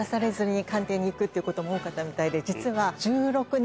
行くっていうことも多かったみたいで実は。